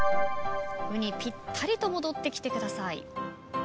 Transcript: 「う」にぴったりと戻ってきてください。